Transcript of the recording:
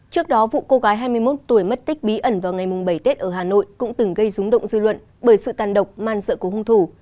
trước đó vụ cô gái hai mươi một tuổi mất tích bí ẩn vào ngày bảy tết ở hà nội cũng từng gây rúng động dư luận bởi sự tàn độc man sợ của hung thủ